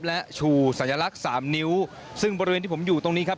และชูสัญลักษณ์สามนิ้วซึ่งบริเวณที่ผมอยู่ตรงนี้ครับ